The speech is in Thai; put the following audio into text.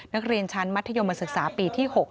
นักเรียนชั้นมัธยมศึกษาปีที่๖